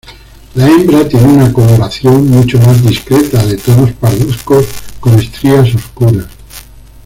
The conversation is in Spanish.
La hembra tiene una coloración mucho más discreta, de tonos parduzcos con estrías oscuras.